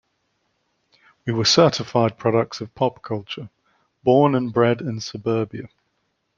We were certified products of pop culture, born and bred in suburbia.